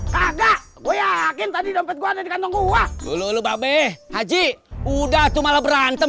kagak gue yakin tadi dompet gua ada di kantong gua dulu lu babes haji udah tuh malah berantem